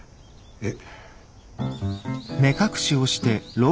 えっ？